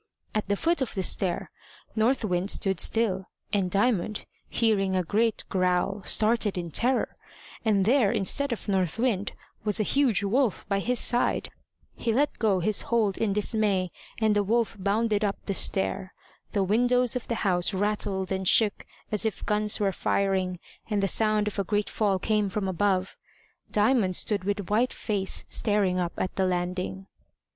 At the foot of the stair North Wind stood still, and Diamond, hearing a great growl, started in terror, and there, instead of North Wind, was a huge wolf by his side. He let go his hold in dismay, and the wolf bounded up the stair. The windows of the house rattled and shook as if guns were firing, and the sound of a great fall came from above. Diamond stood with white face staring up at the landing.